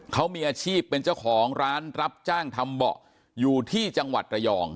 เขามีอาชีพเป็นเจ้าของร้านรับจ้างทำเบาะอยู่ที่จังหวัดระยอง